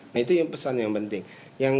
nah itu pesan yang penting